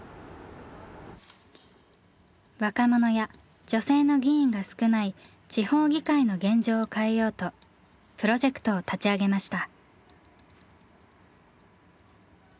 若者や女性の議員が少ない地方議会の現状を変えようとプロジェクトを立ち上げました。